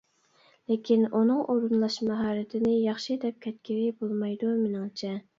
لېكىن ئۇنىڭ ئورۇنلاش ماھارىتىنى ياخشى دەپ كەتكىلى بولمايدۇ مېنىڭچە.